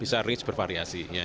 bisa ring bervariasi